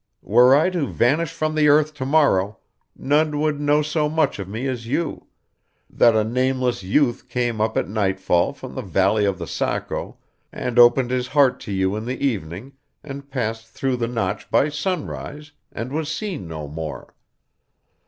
Were I to vanish from the earth tomorrow, none would know so much of me as you: that a nameless youth came up at nightfall from the valley of the Saco, and opened his heart to you in the evening, and passed through the Notch by sunrise, and was seen no more.